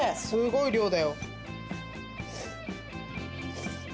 すごい量だよ。